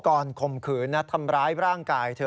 ข่มขืนทำร้ายร่างกายเธอ